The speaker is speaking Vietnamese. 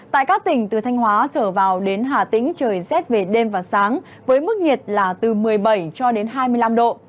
tại các tỉnh từ thanh hóa trở vào đến hà tĩnh trời rét về đêm và sáng với mức nhiệt là từ một mươi bảy cho đến hai mươi năm độ